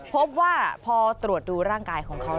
พบว่าพอตรวจดูร่างกายของเขา